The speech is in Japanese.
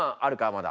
まだ。